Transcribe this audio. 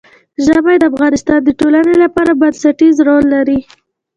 ژمی د افغانستان د ټولنې لپاره بنسټيز رول لري.